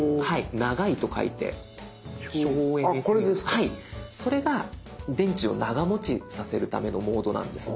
はいそれが電池を長持ちさせるためのモードなんです。